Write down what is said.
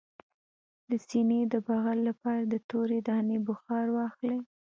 د سینې د بغل لپاره د تورې دانې بخار واخلئ